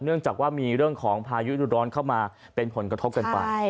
จากว่ามีเรื่องของพายุดูร้อนเข้ามาเป็นผลกระทบกันไป